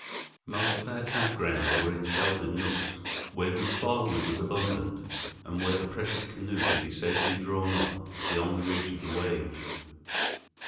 Most of our camp grounds were in sheltered nooks where good firewood was abundant, and where the precious canoe could be safely drawn up beyond reach of the waves.